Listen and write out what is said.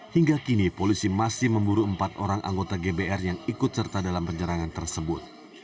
hingga kini polisi masih memburu empat orang anggota gbr yang ikut serta dalam penyerangan tersebut